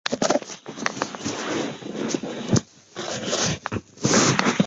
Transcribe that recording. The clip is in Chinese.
但旋即又攻掠山南各地。